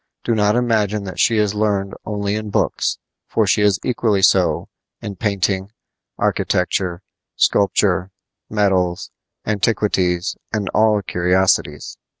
Do not imagine that she is learned only in books, for she is equally so in painting, architecture, sculpture, medals, antiquities, and all curiosities.